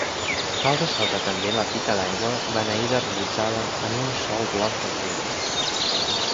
Cal ressaltar també la pica d'aigua beneïda realitzada en un sol bloc de pedra.